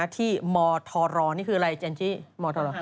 ที่มทรนี่คืออะไรเจนจิมทร